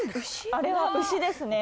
あれは牛ですね。